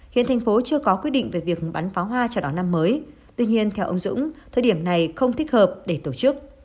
hiện thành phố chưa có quyết định về việc bắn pháo hoa chào đón năm mới tuy nhiên theo ông dũng thời điểm này không thích hợp để tổ chức